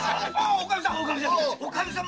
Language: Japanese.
おかみさん！